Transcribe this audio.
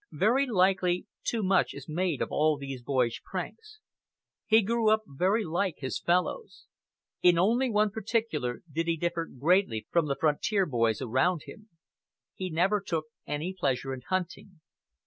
Very likely too much is made of all these boyish pranks. He grew up very like his fellows. In only one particular did he differ greatly from the frontier boys around him. He never took any pleasure in hunting.